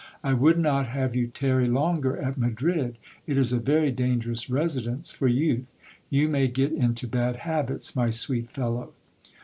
I would not have you tarry longer at Madrid : it is a very dangerous residence for youth ; you may get into bad habits, my sweet fellow.